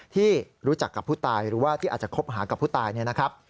ที่รู้จักกับผู้ตายหรือว่าที่อาจจะคบหากับผู้ตายเนี่ยนะครับ